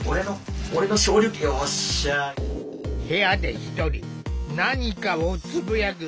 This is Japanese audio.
部屋で１人何かをつぶやく